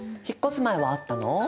引っ越す前はあったの？